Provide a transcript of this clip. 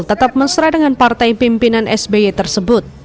tetap mesra dengan partai pimpinan sby tersebut